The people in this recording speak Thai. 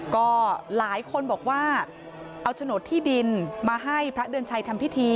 ก็หลายคนบอกว่าเอาโฉนดที่ดินมาให้พระเดือนชัยทำพิธี